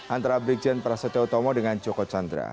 antara brigjen prasetyo utomo dengan joko chandra